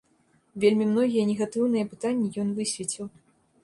Вельмі многія негатыўныя пытанні ён высвеціў.